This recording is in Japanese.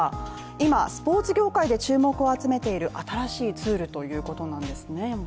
今、スポーツ業界で注目を集めている新しいツールということなんですね。